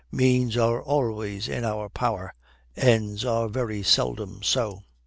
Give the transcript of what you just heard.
Means are always in our power; ends are very seldom so.